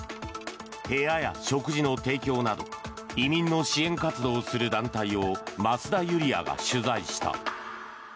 部屋や食事の提供など移民の支援活動をする団体を増田ユリヤが取材した。